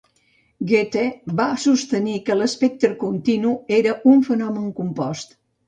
Goethe va sostenir que l'espectre continu era un fenomen compost.